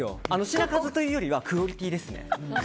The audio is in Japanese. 品数というよりはクオリティーですね。